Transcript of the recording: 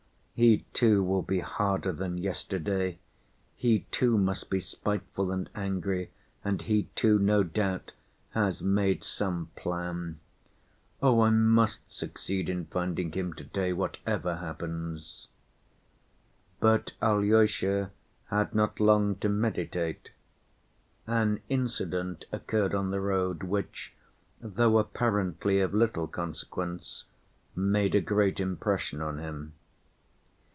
He too will be harder than yesterday, he too must be spiteful and angry, and he too, no doubt, has made some plan. Oh, I must succeed in finding him to‐day, whatever happens." But Alyosha had not long to meditate. An incident occurred on the road, which, though apparently of little consequence, made a great impression on him.